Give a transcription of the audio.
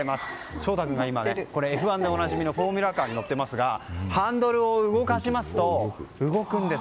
ショウタくんが、Ｆ１でおなじみのフォーミュラカーに乗っていますがハンドルを動かすと、動くんです。